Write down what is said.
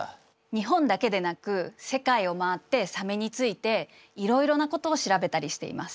日本だけでなく世界を回ってサメについていろいろなことを調べたりしています。